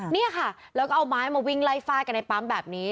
นี่ค่ะแล้วก็เอาไม้มาวิ่งไล่ฟาดกันในปั๊มแบบนี้